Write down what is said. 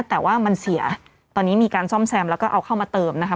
แต่ว่ามันเสียตอนนี้มีการซ่อมแซมแล้วก็เอาเข้ามาเติมนะคะ